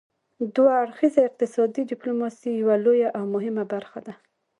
دوه اړخیزه اقتصادي ډیپلوماسي یوه لویه او مهمه برخه ده